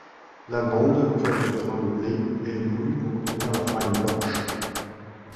L'amande, cœur du grain de blé, est moulue pour obtenir la farine blanche.